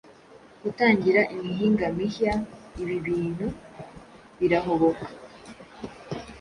gutangira imihinga mihya Ibi bintu birahoboka